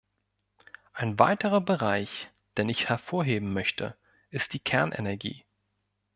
Ein weiterer Bereich, den ich hervorheben möchte, ist die Kernenergie.